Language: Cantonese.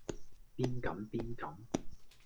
邊敢邊敢